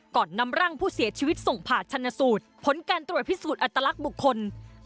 ก่อนนำร่างผู้เสียชีวิตส่งผ่าชนสูตรผลการตรวจพิสูจน์อัตลักษณ์บุคคล